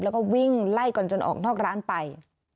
แล้วก็วิ่งไล่กันจนออกนอกร้านไป